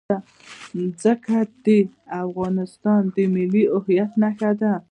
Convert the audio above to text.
ځمکه د افغانستان د ملي هویت نښه ده.